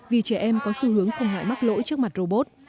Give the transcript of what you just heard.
vì trẻ em có xu hướng không ngại mắc lỗi trước mặt robot